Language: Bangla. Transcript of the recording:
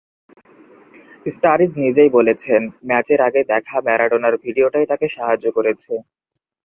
স্টারিজ নিজেই বলেছেন, ম্যাচের আগে দেখা ম্যারাডোনার ভিডিওটাই তাঁকে সাহায্য করেছে।